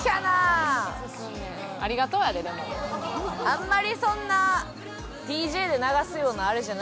「あんまりそんなＤＪで流すようなあれじゃない」